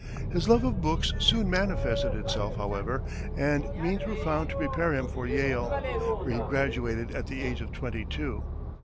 His love of books soon manifested itself, however, and means were found to prepare him for Yale, where he graduated at the age of twenty two.